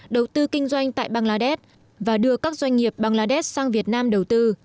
đầu tư kinh doanh tại bangladesh và đưa các doanh nghiệp bangladesh sang việt nam đầu tư